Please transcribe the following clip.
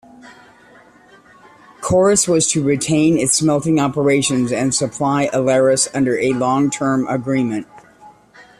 Corus was to retain its smelting operations and supply Aleris under a long-term agreement.